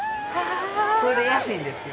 これで安いんですよ